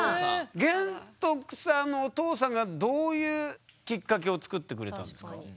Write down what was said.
玄徳さんのお父さんがどういうきっかけを作ってくれたんですか？